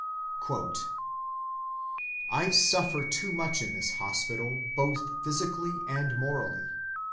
"I suffer too much in this hospital, both physically and morally.